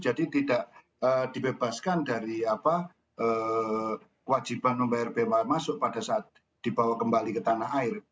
jadi tidak dibebaskan dari kewajiban membayar bma masuk pada saat dibawa kembali ke tanah air